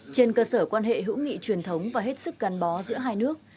trên cơ sở quan hệ hữu nghị truyền thống và hết sức gắn bó giữa hai nước